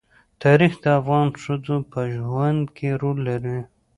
تاریخ د افغان ښځو په ژوند کې رول لري.